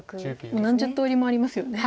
もう何十通りもありますよね。